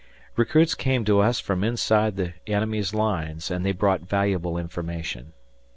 Recruits came to us from inside the enemy's lines, and they brought valuable information.